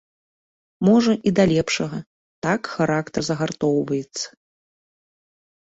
Можа, і да лепшага, так характар загартоўваецца.